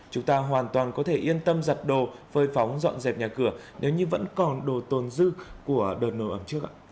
chúng ta hoàn toàn có thể yên tâm giặt đồ phơi phóng dọn dẹp nhà cửa nếu như vẫn còn đồ tồn dư của đợt nồ ẩm trước ạ